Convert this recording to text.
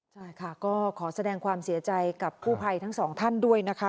ใช่ค่ะก็ขอแสดงความเสียใจกับกู้ภัยทั้งสองท่านด้วยนะคะ